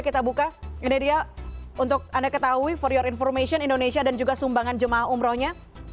kita buka ini dia untuk anda ketahui for your information indonesia dan juga sumbangan jemaah umrohnya